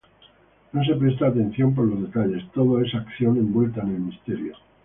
No se presta atención por los detalles, todo es acción, envuelta en el misterio.